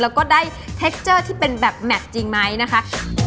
แล้วก็ได้เทคเจอร์ที่เป็นแบบแมทจริงไหมนะคะ